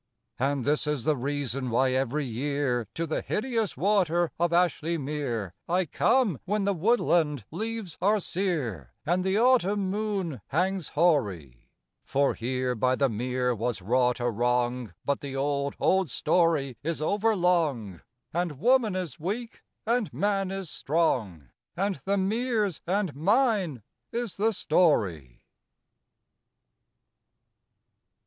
And this is the reason why every year To the hideous water of Ashly Mere I come when the woodland leaves are sear, And the autumn moon hangs hoary: For here by the Mere was wrought a wrong But the old, old story is overlong And woman is weak and man is strong, And the Mere's and mine is the story.